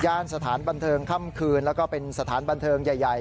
สถานบันเทิงค่ำคืนแล้วก็เป็นสถานบันเทิงใหญ่